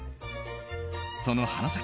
その花咲